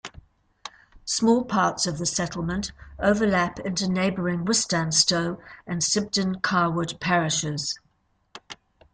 Small parts of the settlement overlap into neighbouring Wistanstow and Sibdon Carwood parishes.